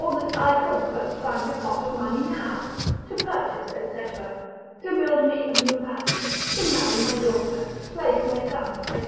O that I could but find a pot of money now, to purchase, &c., to build me a new house, to marry my daughter, place my son, &c.